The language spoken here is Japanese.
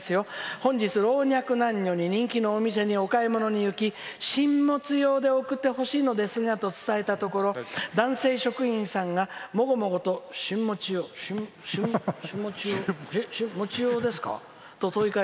本日、老若男女に人気のお店にお買い物に行き進物用でお送りしてほしいのですがと言うと男性職員さんがモゴモゴと進物用。もちちようですか？